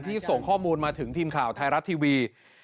ส่งข้อมูลมาถึงทีมข่าวไทยรัฐทีวี